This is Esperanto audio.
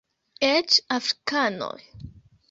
Eĉ afrikanoj!